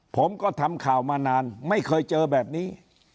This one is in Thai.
ผมก็ทำข่าวมานานไม่เคยเจอแบบนี้